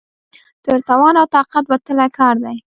تر توان او طاقت وتلی کار دی.